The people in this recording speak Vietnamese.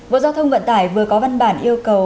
bộ giao thông vận tải vừa có văn bản yêu cầu